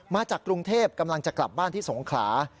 มาจากกรุงเทพกำลังจะกลับบ้านที่สงขลา